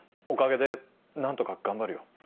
おかげで何とか頑張るよ。